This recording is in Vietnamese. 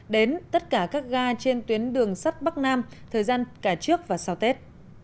đến tất cả các ga trên tuyến đường sắt bắc nam thời gian cả trước và sau tết